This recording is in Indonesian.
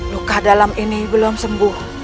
luka dalam ini belum sembuh